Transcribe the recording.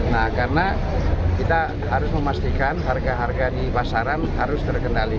nah karena kita harus memastikan harga harga di pasaran harus terkendali